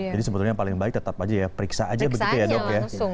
jadi sebetulnya yang paling baik tetap aja ya periksa aja begitu ya dok ya